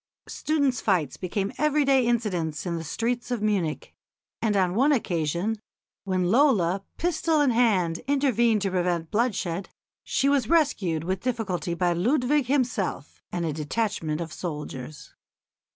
Students' fights became everyday incidents in the streets of Munich, and on one occasion when Lola, pistol in hand, intervened to prevent bloodshed, she was rescued with difficulty by Ludwig himself and a detachment of soldiers.